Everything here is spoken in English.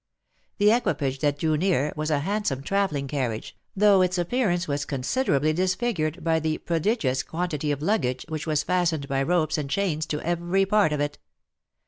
The equipage that drew near was a handsome travelling carriage, though its appearance was considerably disfigured by the prodigious quantity of luggage, which was fastened by ropes and chains to every part of it.